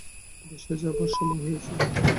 বাসায় যাবার সময় হয়েছে।